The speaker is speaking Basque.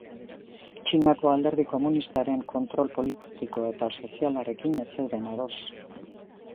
Txinako Alderdi Komunistaren kontrol politiko eta sozialarekin ez zeuden ados.